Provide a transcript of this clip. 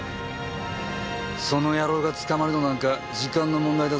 その野郎が捕まるのは時間の問題だぞ。